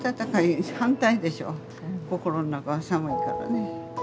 心の中は寒いからね。